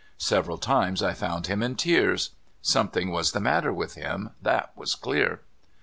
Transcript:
Several times I found him in tears. Something was the matter with him. That was clear.